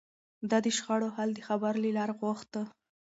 ده د شخړو حل د خبرو له لارې غوښت.